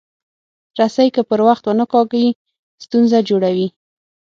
رسۍ که پر وخت ونه کارېږي، ستونزه جوړوي.